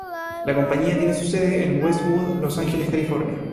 La compañía tiene su sede en Westwood, Los Ángeles, California.